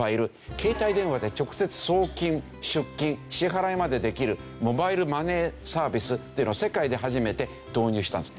携帯電話で直接送金出金支払いまでできるモバイルマネーサービスっていうのを世界で初めて導入したんです。